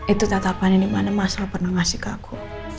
itu tatapannya dimana mas al pernah ngasih ke aku